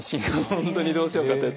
本当にどうしようかって。